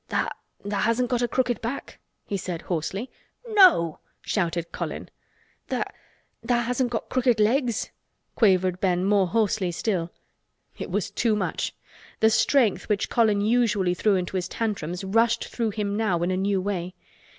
"Tha'—tha' hasn't got a crooked back?" he said hoarsely. "No!" shouted Colin. "Tha'—tha' hasn't got crooked legs?" quavered Ben more hoarsely yet. It was too much. The strength which Colin usually threw into his tantrums rushed through him now in a new way.